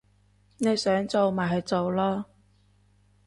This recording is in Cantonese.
你想做乜咪去做囉